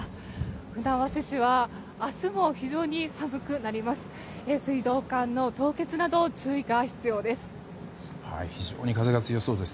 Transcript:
船橋市は明日も非常に寒くなります。